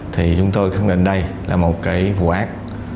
thì chúng tôi khẳng định đây là một cái vụ ác